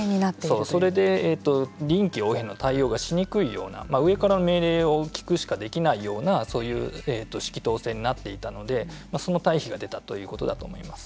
それで臨機応変の対応がしにくいような上からの命令を聞くしかできないようなそういう、指揮統制になっていたのでその退避が出たということだと思います。